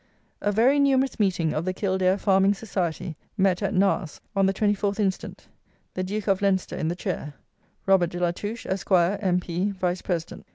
"A very numerous meeting of the Kildare Farming Society met at Naas on the 24th inst., the Duke of Leinster in the Chair; Robert de la Touche, Esq., M.P., Vice President.